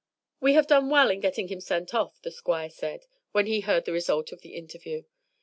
"We have done well in getting him sent off," the Squire said, when he heard the result of the interview.